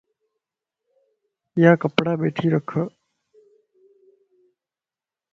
يا ڪپڙا ٻيٺي رک ا